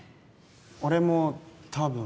俺もたぶん。